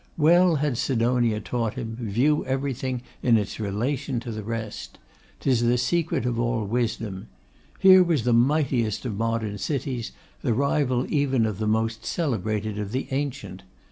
Well had Sidonia taught him, view everything in its relation to the rest. 'Tis the secret of all wisdom. Here was the mightiest of modern cities; the rival even of the most celebrated of the ancient.